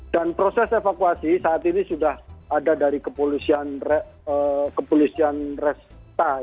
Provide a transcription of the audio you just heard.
dan proses evakuasi saat ini sudah ada dari kepolisian resta